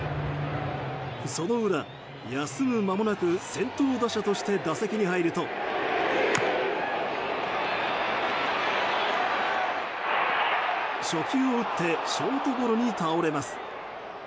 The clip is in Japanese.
その裏、休む間もなく先頭打者として打席に入ると、初球を打ってショートゴロに倒れます。